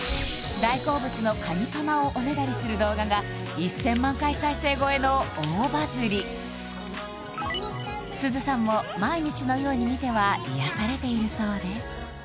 大好物のカニカマをおねだりする動画が１０００万回再生超えの大バズリすずさんも毎日のように見ては癒やされているそうです